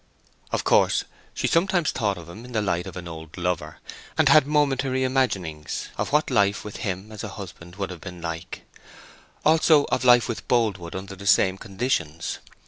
Of course, she sometimes thought of him in the light of an old lover, and had momentary imaginings of what life with him as a husband would have been like; also of life with Boldwood under the same conditions.